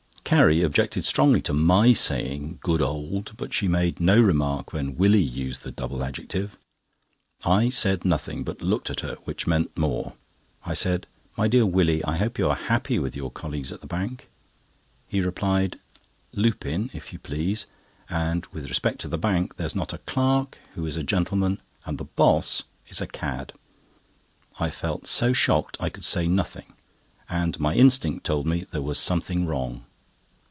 Carrie objected strongly to my saying "Good old," but she made no remark when Willie used the double adjective. I said nothing, but looked at her, which meant more. I said: "My dear Willie, I hope you are happy with your colleagues at the Bank." He replied: "Lupin, if you please; and with respect to the Bank, there's not a clerk who is a gentleman, and the 'boss' is a cad." I felt so shocked, I could say nothing, and my instinct told me there was something wrong.